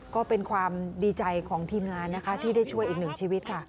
ก็เป็นความดีใจของทีมงานนะคะที่ได้ช่วยอีกหนึ่งชีวิตค่ะ